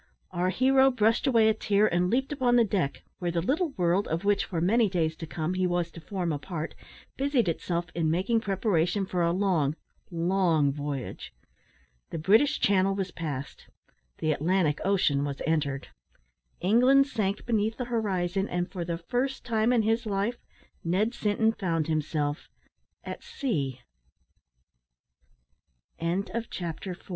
Our hero brushed away a tear, and leaped upon the deck, where the little world, of which for many days to come he was to form a part, busied itself in making preparation for a long, long voyage. The British Channel was passed; the Atlantic Ocean was entered; England sank beneath the horizon; and, for the first time in his life, Ned Sinton found himself at sea. CHAPTER FIVE. THE S